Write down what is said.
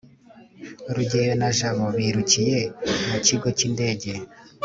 rugeyo na jabo birukiye mu kigo cy'indege